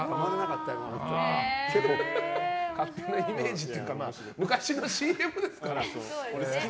勝手なイメージというか昔のＣＭですから。